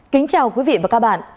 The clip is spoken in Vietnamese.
kính chào quý vị và các bạn